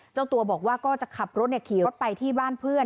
เจ้าตัวบอกว่าก็จะขับรถขี่รถไปที่บ้านเพื่อน